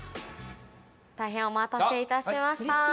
大変お待たせ致しました。